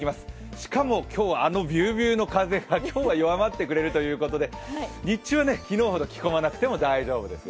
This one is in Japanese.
しかも今日はあのビュービューの風が今日は弱まってくれるということで日中は昨日ほど着込まなくても大丈夫ですよ。